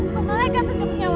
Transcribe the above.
kamu malah kan penjabut nyawa